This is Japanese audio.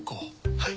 はい。